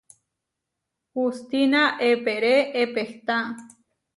Hustína eeperé epehtá.